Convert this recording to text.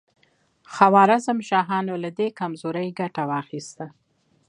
خوارزم شاهانو له دې کمزورۍ ګټه واخیسته.